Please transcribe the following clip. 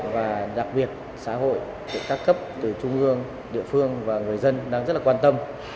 và đặc biệt xã hội các cấp từ trung ương địa phương và người dân đang rất là quan tâm